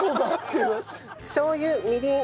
しょう油みりん